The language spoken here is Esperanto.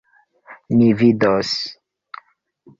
Ni vidos!